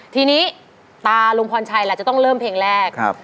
ทีนี้ตาลุงพรชัยล่ะจะต้องเริ่มเพลงแรก